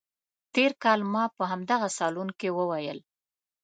تېر کال ما په همدغه صالون کې وویل.